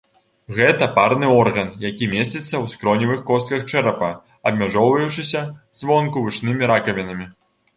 Гэта парны орган, які месціцца ў скроневых костках чэрапа, абмяжоўваючыся звонку вушнымі ракавінамі.